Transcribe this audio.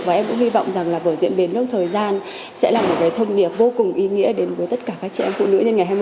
và em cũng hy vọng rằng là vở diễn bến nước thời gian sẽ là một cái thân niệm vô cùng ý nghĩa đến với tất cả các trẻ em phụ nữ trên ngày hai mươi tháng một mươi